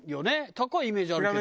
高いイメージあるけど。